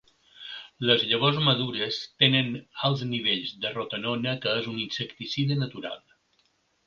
Les llavors madures tenen alts nivells de rotenona que és un insecticida natural.